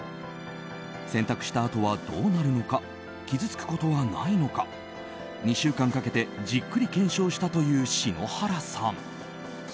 洗濯したあとはどうなるのか傷つくことはないのか２週間かけてじっくり検証したという篠原さん。